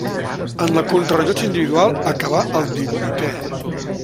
En la contrarellotge individual acabà el divuitè.